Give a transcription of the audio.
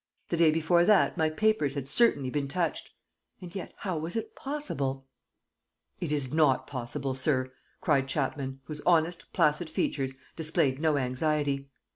... The day before that, my papers had certainly been touched. ... And yet how was it possible? ... "It is not possible, sir!" cried Chapman, whose honest, placid features displayed no anxiety.